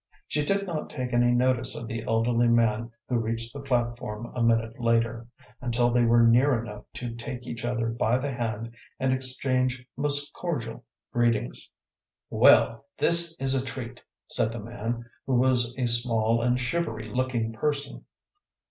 She did not take any notice of the elderly man who reached the platform a minute later, until they were near enough to take each other by the hand and exchange most cordial greetings. "Well, this is a treat!" said the man, who was a small and shivery looking person.